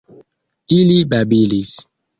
Ili babilis.